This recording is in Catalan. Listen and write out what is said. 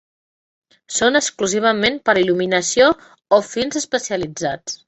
Són exclusivament per a il·luminació o fins especialitzats.